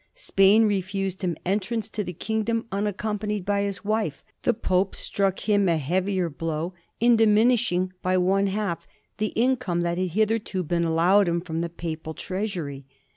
Spain refused him entrance to the kingdom unaccompanied by his wife; the Pope struck him a heavier blow in dimin ishing by one half the income that had hitherto been allow ed him from the Papal treasury.